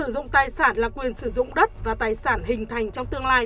để giữ tài sản hình thành trong tương lai